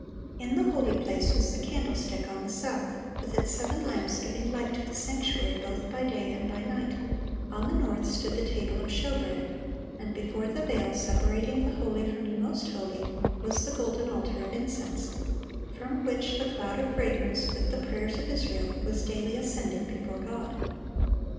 In the holy place was the candlestick, on the south, with its seven lamps giving light to the sanctuary both by day and by night; on the north stood the table of showbread; and before the veil separating the holy from the most holy was the golden altar of incense, from which the cloud of fragrance, with the prayers of Israel, was daily ascending before God.